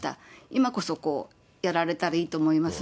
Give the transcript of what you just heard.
今こそこう、やられたらいいと思います。